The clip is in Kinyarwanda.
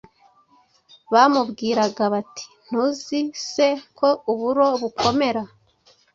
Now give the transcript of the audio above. bamubwiraga bati: “Ntuzi se ko uburo bukomera”?